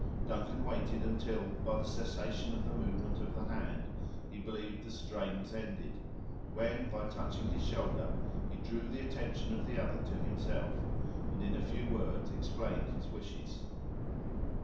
Duncan waited, until, by the cessation of the movement of the hand, he believed the strain was ended, when, by touching his shoulder, he drew the attention of the other to himself, and in a few words explained his wishes.